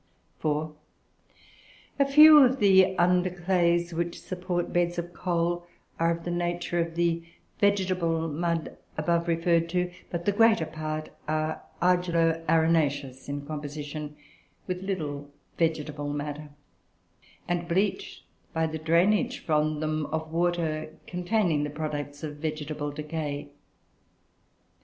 (4) A few of the under clays, which support beds of coal, are of the nature of the vegetable mud above referred to; but the greater part are argillo arenaceous in composition, with little vegetable matter, and bleached by the drainage from them of water containing the products of vegetable decay.